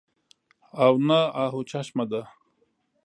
او نه اۤهو چشمه ده